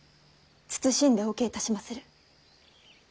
謹んでお受けいたしまする。